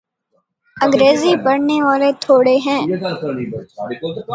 انگریزی پڑھنے والے تھوڑے ہیں۔